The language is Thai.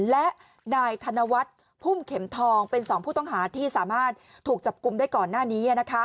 และนายธนวัฒน์พุ่มเข็มทองเป็น๒ผู้ต้องหาที่สามารถถูกจับกลุ่มได้ก่อนหน้านี้